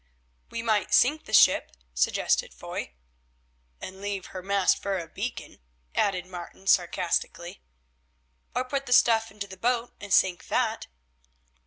"We might sink the ship," suggested Foy. "And leave her mast for a beacon," added Martin sarcastically. "Or put the stuff into the boat and sink that."